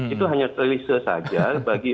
itu hanya telise saja bagi